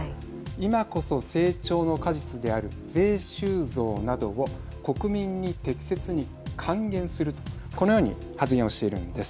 今こそ成長の果実である税収増などを国民に適切に還元するとこのように発言しているんです。